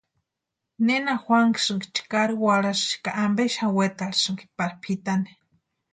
¿Nena juanhasïnki chkari warhasï ka ampe xani wetarhisïnki pari pʼitani?